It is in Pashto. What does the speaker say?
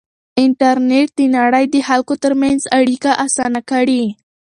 انټرنېټ د نړۍ د خلکو ترمنځ اړیکه اسانه کړې.